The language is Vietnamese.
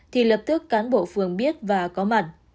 thì lập tức cán bộ phường biết và có mặt